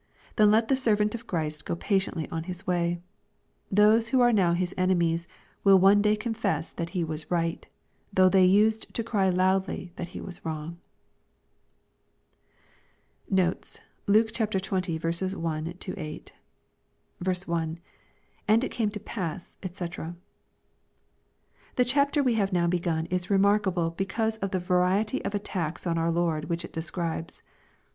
Then let the servant of Christ go patiently on his way. Those who are now his enemies, will one day confess that he was right, though they used to cry loudly that he was wrong. Notes. Luke XX. 1—8. I. — [And it came to pass, &c.] The chapter we have now begun is remarkable because of the variety of attacks on our Lord which it describes.